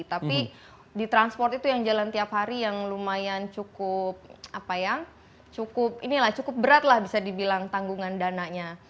tapi di transport itu yang jalan tiap hari yang lumayan cukup berat lah bisa dibilang tanggungan dananya